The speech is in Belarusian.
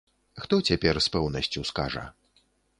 Хто цяпер з пэўнасцю скажа?